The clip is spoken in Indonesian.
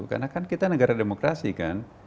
karena kan kita negara demokrasi kan